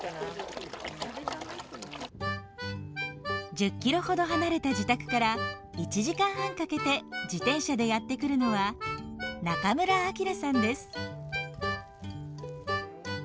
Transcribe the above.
１０キロほど離れた自宅から１時間半かけて自転車でやって来るのは中村章さんです。